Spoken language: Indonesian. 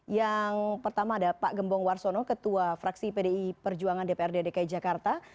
yang pertama ada pak gembong warsono ketua fraksi pdi perjuangan dprd dki jakarta